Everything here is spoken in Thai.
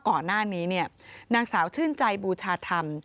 ก่อนหน้านี้เนี่ยนางสาวชื่นใจบูชาธรรม